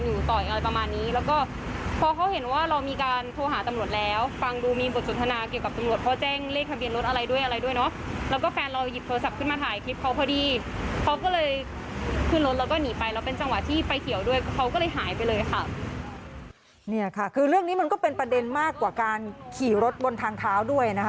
นี่ค่ะคือเรื่องนี้มันก็เป็นประเด็นมากกว่าการขี่รถบนทางเท้าด้วยนะคะ